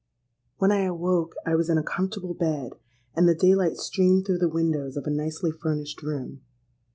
"When I awoke, I was in a comfortable bed; and the day light streamed through the windows of a nicely furnished room.